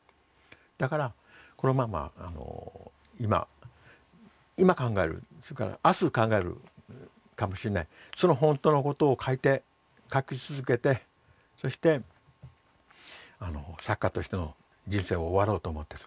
だからこのまま今今考える明日考えるかもしれないその本当のことを書いて書き続けてそして作家としての人生を終わろうと思ってる。